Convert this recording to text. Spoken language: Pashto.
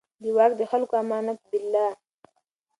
ده واک د خلکو امانت باله.